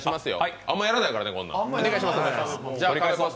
あんまりやらないからね。